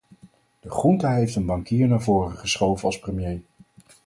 De junta heeft een bankier naar voren geschoven als premier.